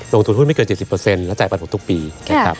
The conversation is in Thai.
ลงทุนหุ้นไม่เกิน๗๐และจ่ายปันผลทุกปีนะครับ